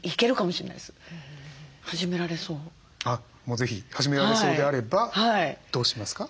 是非始められそうであればどうしますか？